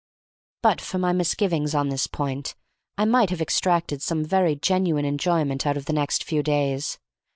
But for my misgivings upon this point I might have extracted some very genuine enjoyment out of the next few days.